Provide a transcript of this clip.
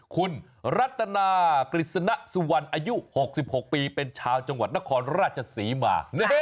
คุณรัตนากฤษณะสุวรรณอายุ๖๖ปีเป็นชาวจังหวัดนครราชศรีมา